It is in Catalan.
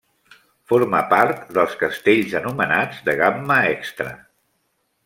Forma part dels castells anomenats de gamma extra.